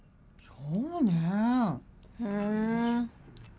そうね。